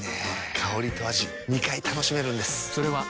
香りと味２回楽しめるんです。